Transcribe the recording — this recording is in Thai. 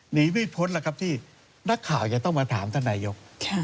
หนีวิพลที่นักข่าวจะต้องมาถามท่านนายยก